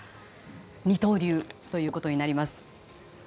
二刀流ということになります。